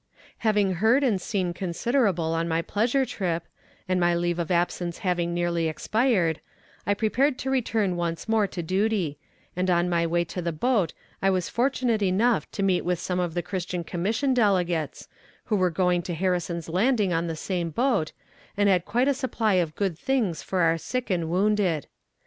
Having heard and seen considerable on my little pleasure trip, and my leave of absence having nearly expired, I prepared to return once more to duty, and on my way to the boat I was fortunate enough to meet with some of the Christian Commission delegates, who were going to Harrison's Landing on the same boat, and had quite a supply of good things for our sick and wounded.